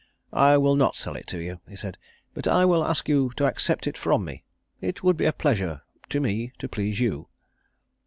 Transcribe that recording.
"I will not sell it to you," he said, "but I will ask you to accept it from me. It would be a pleasure to me to please you."